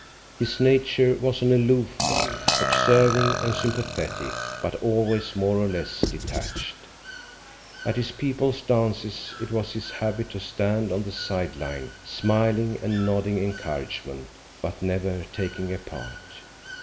His nature was an aloof one, observing and sympathetic, but always more or less detached. At his people's dances it was his habit to stand on the side line, smiling and nodding encouragement, but never taking a part.